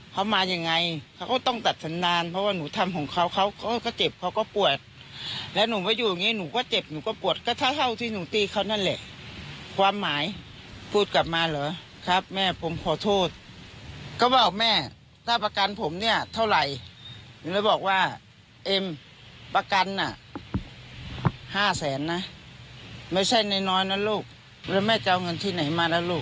เขามายังไงเขาก็ต้องตัดสัญญาณเพราะว่าหนูทำของเขาเขาก็เจ็บเขาก็ปวดแล้วหนูมาอยู่อย่างนี้หนูก็เจ็บหนูก็ปวดก็เท่าเท่าที่หนูตีเขานั่นแหละความหมายพูดกลับมาเหรอครับแม่ผมขอโทษก็บอกแม่ถ้าประกันผมเนี่ยเท่าไหร่หนูเลยบอกว่าเอ็มประกันน่ะห้าแสนนะไม่ใช่น้อยนะลูกแล้วแม่จะเอาเงินที่ไหนมานะลูก